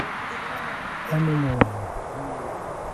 Ano novo